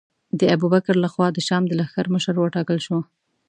د ابوبکر له خوا د شام د لښکر مشر وټاکل شو.